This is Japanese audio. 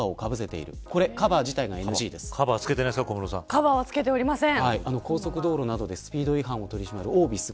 カバーはつけていません。